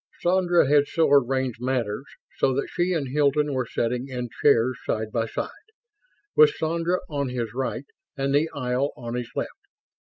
Sandra had so arranged matters that she and Hilton were sitting in chairs side by side, with Sandra on his right and the aisle on his left.